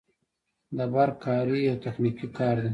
د برق کاري یو تخنیکي کار دی